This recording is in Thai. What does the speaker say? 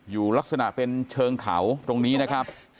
ลักษณะเป็นเชิงเขาตรงนี้นะครับ